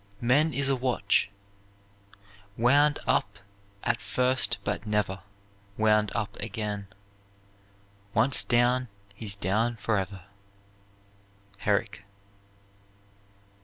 Man is a watch, wound up at first but never Wound up again: once down he's down forever. HERRICK.